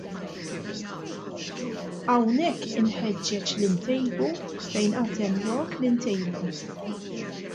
Hawnhekk inħeġġeġ li ntejbu fejn għad hemm lok li ntejbu.